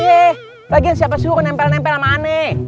iya lagian siapa suruh nempel nempel sama aneh